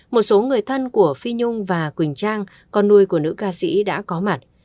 một số người thân của phi nhung và quỳnh trang con nuôi của nữ ca sĩ đã có mặt